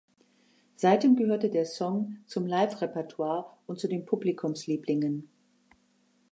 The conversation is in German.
Seitdem gehörte der Song zum Liverepertoire und zu den Publikumslieblingen.